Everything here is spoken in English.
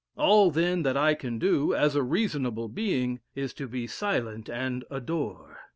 All, then, that I can do, as a reasonable being, is to be silent and adore.